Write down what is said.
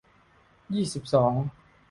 ยี่สิบสอง